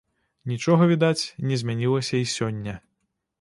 Нічога, відаць, не змянілася і сёння.